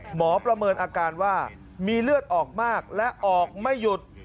ประเมินอาการว่ามีเลือดออกมากและออกไม่หยุด